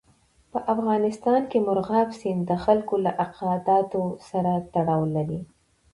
په افغانستان کې مورغاب سیند د خلکو له اعتقاداتو سره تړاو لري.